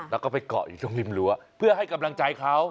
แล้วก็ไปเกาะอยู่ตรงริมรั้วเพื่อให้กำลังใจเขา